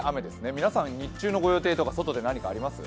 皆さん、日中のご予定とか外であります？